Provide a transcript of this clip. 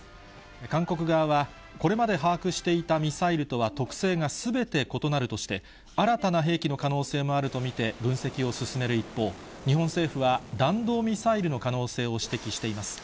韓国側は、これまで把握していたミサイルとは特性がすべて異なるとして、新たな兵器の可能性もあると見て、分析を進める一方、日本政府は弾道ミサイルの可能性を指摘しています。